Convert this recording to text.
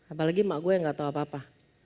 apalagi emak gue yang gak tahu apa apa